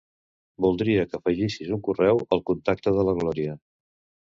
Voldria que afegissis un correu al contacte de la Glòria.